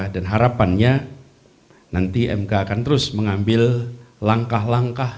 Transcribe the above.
dan harapannya nanti mk akan terus mengambil langkah langkah